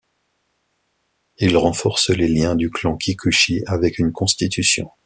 Il renforce les liens du clan Kikuchi avec une constitution.